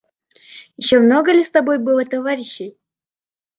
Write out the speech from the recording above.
Еще много ли с тобой было товарищей?